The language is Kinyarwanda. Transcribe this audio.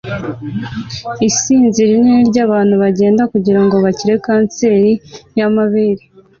Isinzi rinini ryabantu bagenda kugirango bakire kanseri yamabere